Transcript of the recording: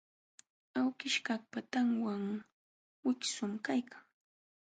Awkishkaqpa tanwan wiksum kaykan.